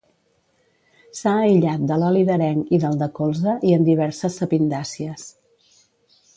S'ha aïllat de l'oli d'areng i del de colza i en diverses sapindàcies.